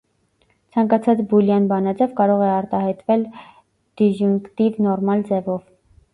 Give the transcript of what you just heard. Ցանկացած բուլյան բանաձև կարող է արտահայտվել դիզյունկտիվ նորմալ ձևով։